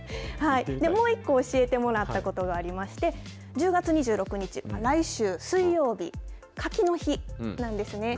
もう一個、教えてもらったことがありまして、１０月２６日、来週水曜日、柿の日なんですね。